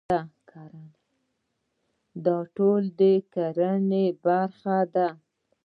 دا ټول د کرنې برخه ده.